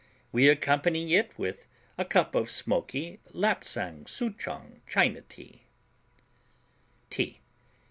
We accompany it with a cup of smoky Lapsang Soochong China tea.